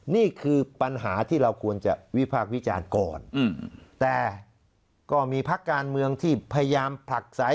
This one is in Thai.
นี่คือปัญหาที่เราควรจะวิพากษ์วิจารณ์ก่อนแต่ก็มีพักการเมืองที่พยายามผลักสาย